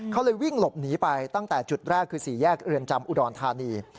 เขาเลยวิ่งหลบหนีไปตั้งแต่จุดแรกคือสี่แยกเรือนจำอุดรธานี